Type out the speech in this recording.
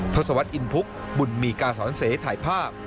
ทศวรรษอินพุกบุญมีกาสอนเสถ่ายภาพ